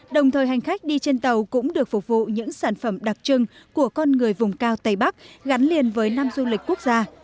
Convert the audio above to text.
đồng thời hành khách đi trên tàu cũng được phục vụ những sản phẩm đặc trưng của con người vùng cao tây bắc gắn liền với nam du lịch quốc gia